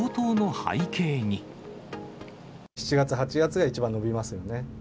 ７月、８月が一番伸びますよね。